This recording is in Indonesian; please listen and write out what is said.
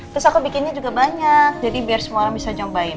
terus aku bikinnya juga banyak jadi biar semua orang bisa nyobain